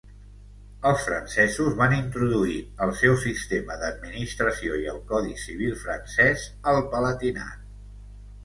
Els francesos van introduir el seu sistema d'administració i el Codi Civil Francès al Palatinat.